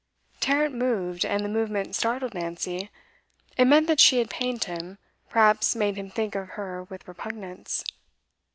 Tarrant moved, and the movement startled Nancy. It meant that she had pained him, perhaps made him think of her with repugnance.